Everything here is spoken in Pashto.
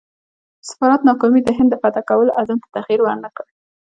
د سفارت ناکامي د هند د فتح کولو عزم ته تغییر ورنه کړ.